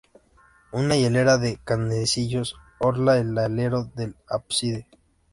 Una hilera de canecillos orla el alero del ábside.